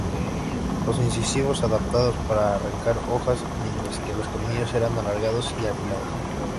Los incisivos adaptados para arrancar hojas, mientras que los colmillos eran alargados y afilados.